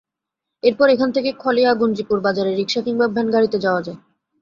এরপর এখান থেকে খলেয়া গুঞ্জিপুর বাজারে রিকশা কিংবা ভ্যানগাড়িতে যাওয়া যায়।